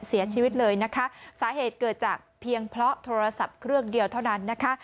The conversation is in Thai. เสียชีวิตเลยนะคะสาเหตุเกิดจากเพียงเพราะโทรศัพท์เครื่องเดียวเท่านั้นนะคะ